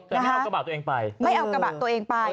ไม่เอากระบะตัวเองไปไม่เอากระบะตัวเองไป